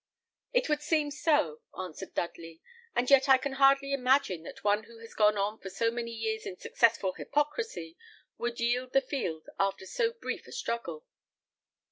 "It would seem so," answered Dudley; "and yet I can hardly imagine that one who has gone on for so many years in successful hypocrisy, would yield the field after so brief a struggle."